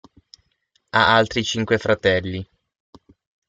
Ha altri cinque fratelli.